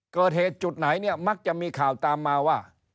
เกิดเหตุจุดไหนเนี่ยมักจะมีข่าวตามมาว่า